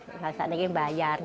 bukan saat ini bayar